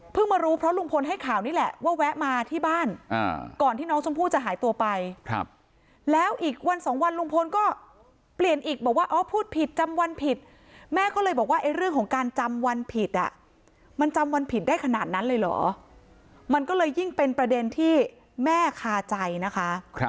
เปลี่ยนอีกบอกว่าพูดผิดจำวันผิดแม่ก็เลยบอกว่าเรื่องของการจำวันผิดอ่ะมันจำวันผิดได้ขนาดนั้นเลยเหรอมันก็เลยยิ่งเป็นประเด็นที่แม่คาใจนะคะ